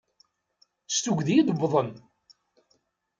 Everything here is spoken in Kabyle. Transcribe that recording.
S tuggdi id-wwḍen.